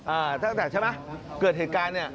ตั้งแต่ใช่ไหมเกิดเหตุการณ์เนี่ย